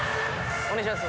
お願いします